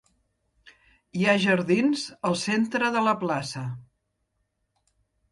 Hi ha jardins al centre de la plaça.